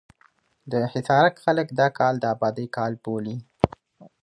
د حصارک خلک دا کال د ابادۍ کال بولي.